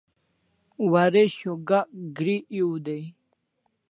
Waresho Gak gri ew dai